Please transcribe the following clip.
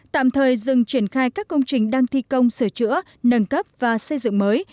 tạm thời dừng triển khai các công trình đang thi công sửa chữa nâng cấp và xây dựng mới